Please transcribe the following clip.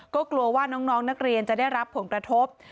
ก็กลัวว่าน้องนักเรียนจะได้รับผลกระทบ